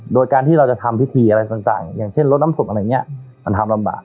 โดยการที่เราจะทำพิธีอะไรต่างอย่างเช่นลดน้ำศพอะไรอย่างนี้มันทำลำบาก